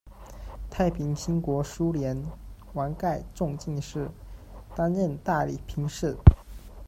太平兴国初年，王沔中进士，担任大理评事。